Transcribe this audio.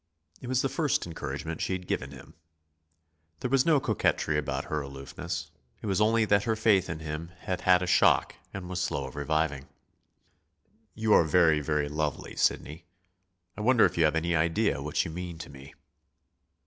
It was the first encouragement she had given him. There was no coquetry about her aloofness. It was only that her faith in him had had a shock and was slow of reviving. "You are very, very lovely, Sidney. I wonder if you have any idea what you mean to me?"